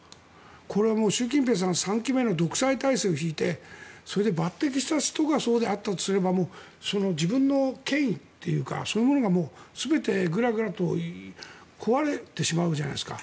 これは習近平さん、３期目の独裁体制を敷いて抜てきした人がそうであったとすればもう自分の権威というかそういうものが全てグラグラと壊れてしまうじゃないですか。